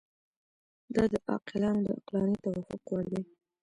دا د عاقلانو د عقلاني توافق وړ دي.